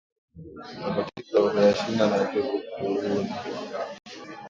Matatizo huyashinda, na uvivu kuuhuni